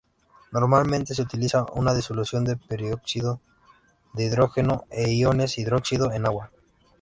Normalmente se utiliza una disolución de peróxido de hidrógeno e iones hidróxido en agua.